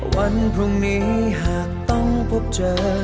วันพรุ่งนี้หากต้องพบเจอ